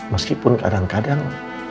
meskipun kadang kadang